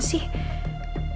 nanti pak jajah akan datang